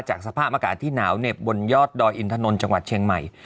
สภาพอากาศที่หนาวเหน็บบนยอดดอยอินทนนท์จังหวัดเชียงใหม่